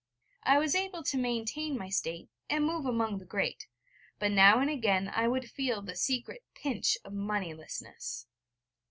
I was able to maintain my state, and move among the great: but now and again I would feel the secret pinch of moneylessness.